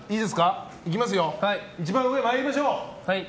一番上、参りましょう。